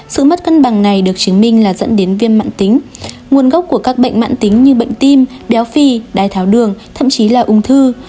sự mất cân bằng này được chứng minh là dẫn đến viêm mạng tính nguồn gốc của các bệnh mạng tính như bệnh tim béo phì đai tháo đường thậm chí là ung thư